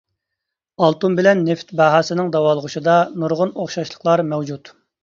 ئالتۇن بىلەن نېفىت باھاسىنىڭ داۋالغۇشىدا نۇرغۇن ئوخشاشلىقلار مەۋجۇت.